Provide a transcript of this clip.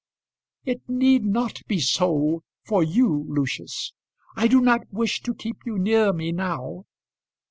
"It need not be so, for you, Lucius. I do not wish to keep you near me now."